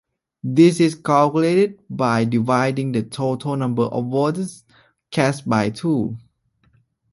This is calculated by dividing the total number of votes cast by two.